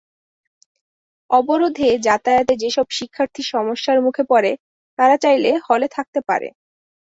অবরোধে যাতায়াতে যেসব শিক্ষার্থী সমস্যার মুখে পড়ে, তারা চাইলে হলে থাকতে পারে।